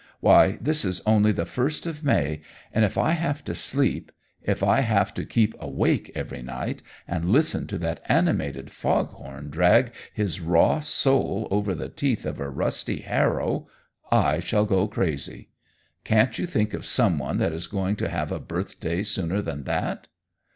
Why, this is only the first of May, and if I have to sleep if I have to keep awake every night and listen to that animated foghorn drag his raw soul over the teeth of a rusty harrow I shall go crazy. Can't you think of some one that is going to have a birthday sooner than that?"